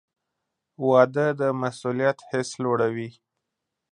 • واده د مسؤلیت حس لوړوي.